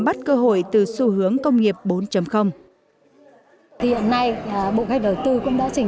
bắt cơ hội từ xu hướng công nghiệp bốn thì hiện nay bộ khách đầu tư cũng đã chỉnh